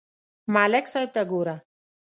ملک صاحب ته گوره